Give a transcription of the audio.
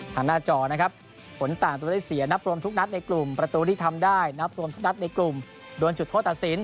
หน้าจอนะครับผลต่างตัวได้เสียนับรวมทุกนัดในกลุ่มประตูที่ทำได้นับรวมทุกนัดในกลุ่มโดนจุดโทษตัดสิน